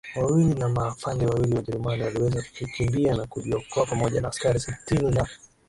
wawili na maafande wawili Wajerumani waliweza kukimbia na kujiokoa pamoja na askari sitini na